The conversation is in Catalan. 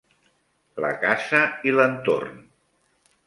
La casa i l'entorn.